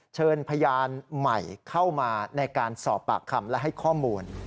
เชิญพยานใหม่เข้ามาในการสอบปากคำและให้ข้อมูล